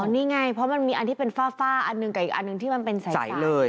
นี่ไงเพราะมันมีอันที่เป็นฝ้าอันหนึ่งกับอีกอันหนึ่งที่มันเป็นใสเลย